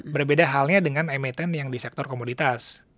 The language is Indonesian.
berbeda halnya dengan emiten yang di sektor komoditas